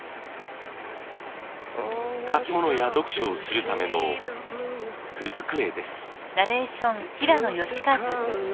書き物や読書をするための文机です。